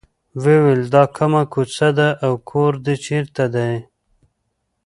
وویل دا کومه کوڅه ده او کور دې چېرته دی.